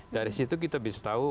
dari situ kita bisa tahu